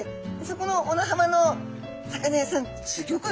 そこの小名浜の魚屋さんすギョく